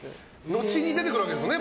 のちに出てくるわけですよね。